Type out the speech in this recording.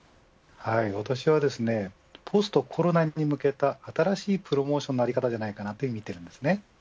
私はポストコロナに向けた新しいプロモーションの在り方だと見ています。